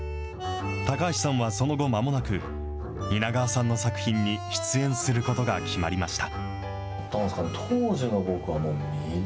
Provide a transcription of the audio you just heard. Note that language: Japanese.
高橋さんはその後まもなく、蜷川さんの作品に出演することが決まりました。